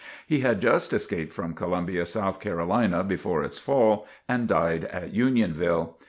He had just escaped from Columbia, South Carolina, before its fall, and died at Unionville.